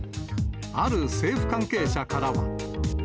ある政府関係者からは。